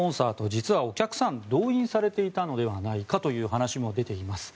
実は、お客さんが動員されていたのではないかという話も出ています。